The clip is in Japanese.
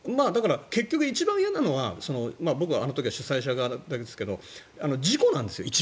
結局、一番いやなのは僕はあの時は主催者側ですけど事故なんですよ。